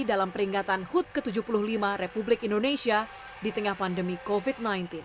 dalam peringatan hud ke tujuh puluh lima republik indonesia di tengah pandemi covid sembilan belas